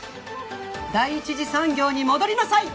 第一次産業に戻りなさい！